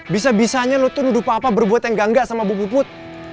bisa bisanya lu tuh nudu papa berbuat yang gangga sama bu put